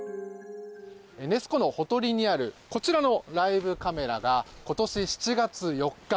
ネス湖のほとりにあるこちらのライブカメラが今年７月４日